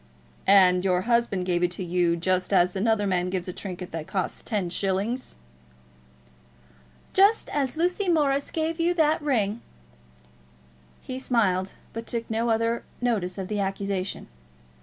"And your husband gave it you just as another man gives a trinket that costs ten shillings!" "Just as Lucy Morris gave you that ring." He smiled, but took no other notice of the accusation.